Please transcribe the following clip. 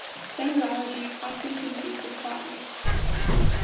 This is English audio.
Dendrology is often confused with botany.